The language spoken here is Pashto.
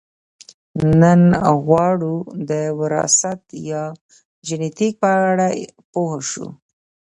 نن غواړو د وراثت یا ژنیتیک په اړه پوه شو